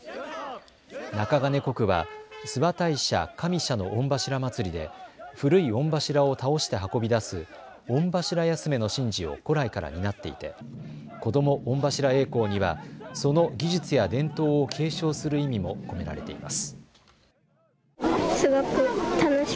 中金子区は諏訪大社上社の御柱祭で古い御柱を倒して運び出す御柱休めの神事を古来から担っていて子ども御柱曳行にはその技術や伝統を継承する意味も込められています。